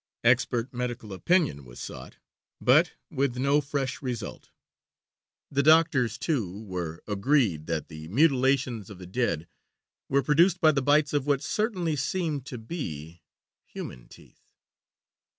Expert medical opinion was sought, but with no fresh result. The doctors, too, were agreed that the mutilations of the dead were produced by the bites of what certainly seemed to be human teeth.